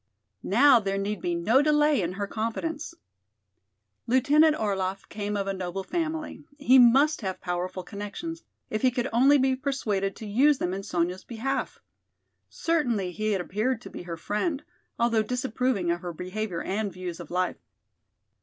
Now there need be no delay in her confidence. Lieutenant Orlaff came of a noble family, he must have powerful connections, if he could only be persuaded to use them in Sonya's behalf. Certainly he had appeared to be her friend, although disapproving of her behavior and views of life.